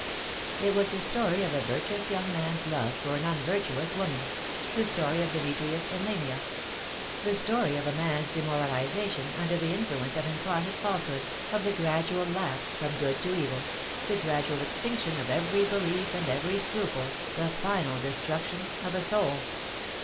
It was the story of a virtuous young man's love for an unvirtuoua woman the story of Demetrius and Lamia the story of a man's demoralisation under the influence of incarnate falsehood, of the gradual lapse from good to evil, the gradual extinction of every belief and every scruple, the final destruction of a Boul.